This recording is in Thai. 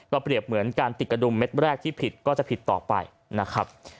เปรียบเหมือนการติดกระดุมเม็ดแรกที่ผิดก็จะผิดต่อไปนะครับ